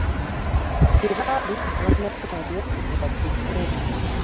Gye baali tebaafunayo wadde ssente.